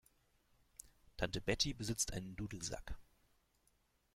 Tante Betty besitzt einen Dudelsack.